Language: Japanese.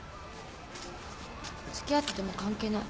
つきあってても関係ない。